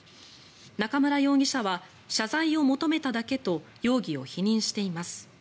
中村容疑者は謝罪を求めただけと容疑を否認しています。